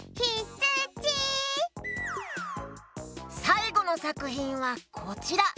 さいごのさくひんはこちら。